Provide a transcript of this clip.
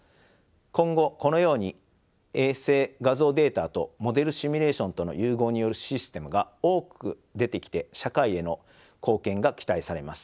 今後このように衛星画像データとモデルシミュレーションとの融合によるシステムが多く出てきて社会への貢献が期待されます。